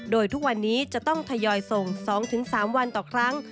โดยทุกวันนี้จะต้องทยอยส่ง๒๓วันต่อครั้ง